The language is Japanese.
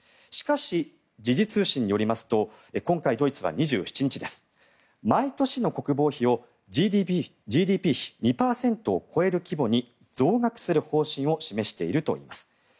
しかし、時事通信によりますと今回、ドイツは２７日毎年の国防費をＧＤＰ比２％を超える規模に増額する方針を示しているといいます。